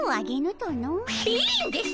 いいんです！